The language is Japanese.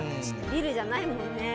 ビルじゃないもんね。